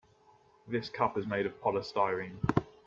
This cup is made of polystyrene.